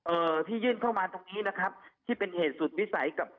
เอ่อที่ยื่นเข้ามาตรงนี้นะครับที่เป็นเหตุสุดวิสัยกับ